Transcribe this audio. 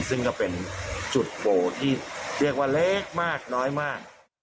ซึ่งก็เป็นจุดโบที่เรียกว่าเล็กมากน้อยมาก